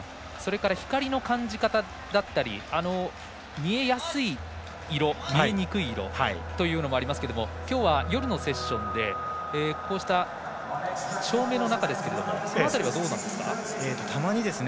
光の感じ方だったり見えやすい色見えにくい色というのもありますけれどもきょうは夜のセッションでこうした照明の中ですがその辺りはどうなっているんですが？